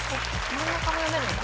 真ん中も読めるんだ